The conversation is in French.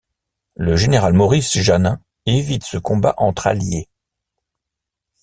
Le général Maurice Janin évite ce combat entre alliés.